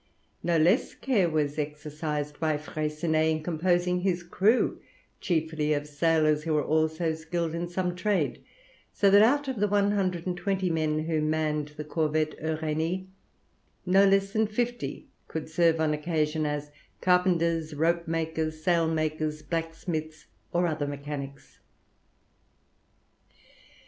No less care was exercised by Freycinet in composing his crew chiefly of sailors who were also skilled in some trade; so that out of the 120 men who manned the corvette Uranie, no less than fifty could serve on occasion as carpenters, ropemakers, sailmakers, blacksmiths, or other mechanics.